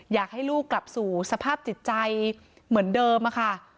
อยากให้ลูกกลับสู่สภาพจิตใจเหมือนเดิมค่ะ